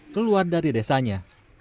keluar dari desanya